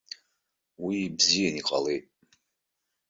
Уи бзианы иҟалеит.